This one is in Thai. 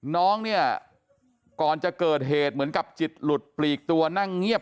น้องเนี่ยก่อนจะเกิดเหตุเหมือนกับจิตหลุดปลีกตัวนั่งเงียบ